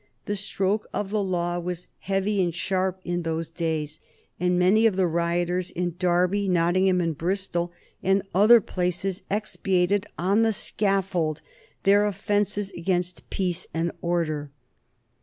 The stroke of the law was heavy and sharp in those days, and many of the rioters in Derby, Nottingham, and Bristol, and other places expiated on the scaffold their offences against peace and order.